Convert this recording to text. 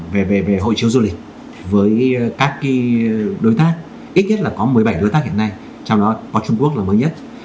về hội chiếu du lịch với các đối tác ít nhất là có một mươi bảy đối tác hiện nay trong đó có trung quốc là mới nhất